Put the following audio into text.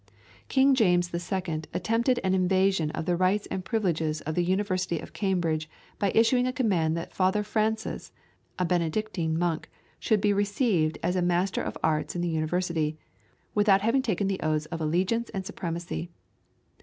King James the Second attempted an invasion of the rights and privileges of the University of Cambridge by issuing a command that Father Francis, a Benedictine monk, should be received as a Master of Arts in the University, without having taken the oaths of allegiance and supremacy.